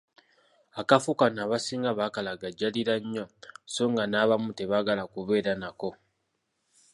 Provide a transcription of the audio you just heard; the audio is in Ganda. Akafo kano abasinga bakalagajjalira nnyo so nga n‘abamu tebaagala kubeera nako.